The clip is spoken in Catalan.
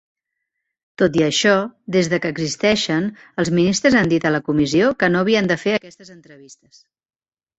Tot i això, des que existeixen, els ministres han dit a la comissió que no havien de fer aquestes entrevistes.